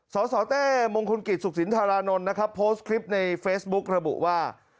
สสเต้มงคลกิจสุขสินธารานนท์นะครับโพสต์คลิปในเฟซบุ๊กระบุว่า